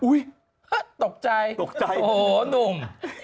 อุ้ยตกใจโหหนุ่ม